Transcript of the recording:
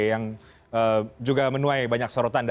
yang juga menuai banyak sorotan